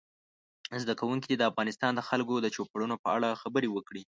زده کوونکي دې د افغانستان د خلکو د چوپړونو په اړه خبرې وکړي.